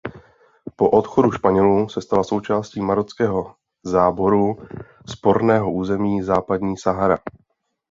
Po odchodu Španělů se stala součástí marockého záboru sporného území Západní Sahara.